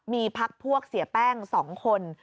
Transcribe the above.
มีพักพวกเสียแป้ง๒คน